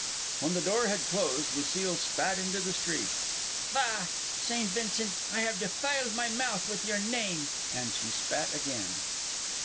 When the door had closed, Lucile spat into the street. "Faugh! St. Vincent! I have defiled my mouth with your name!" And she spat again.